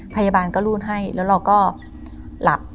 พยาบาลก็รูดให้แล้วเราก็หลับ